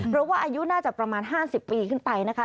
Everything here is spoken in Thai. เพราะว่าอายุน่าจะประมาณ๕๐ปีขึ้นไปนะคะ